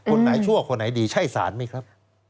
คนไหนชั่วคนไหนดีใช่สารไหมครับ